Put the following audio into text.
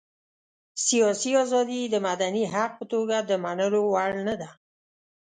سياسي ازادي یې د مدني حق په توګه د منلو وړ نه ده.